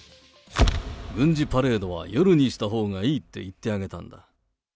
軍事パレードは夜にしたほうがいいって言ってあげたんだ。